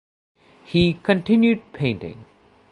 He continued painting.